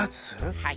はい。